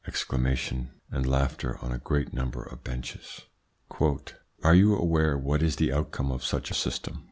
(Exclamations and laughter on a great number of benches. )"... Are you aware what is the outcome of such a system?